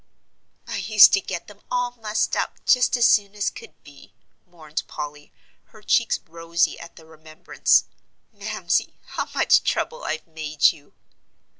"I used to get them all mussed up just as soon as could be," mourned Polly, her cheeks rosy at the remembrance. "Mamsie, how much trouble I've made you."